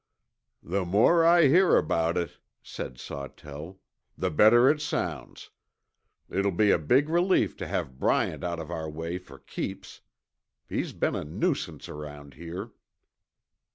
"The more I hear about it," said Sawtell, "the better it sounds. It'll be a big relief to have Bryant out of our way for keeps. He's been a nuisance around here."